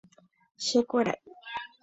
Chekuerái.